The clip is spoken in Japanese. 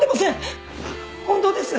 本当です！